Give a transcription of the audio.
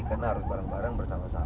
karena harus bareng bareng bersama sama